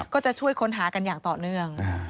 ก็จะช่วยค้นหากันอย่างต่อเนื่อง